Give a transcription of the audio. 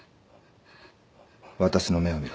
私の目を見ろ。